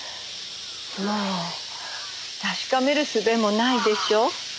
もう確かめる術もないでしょう？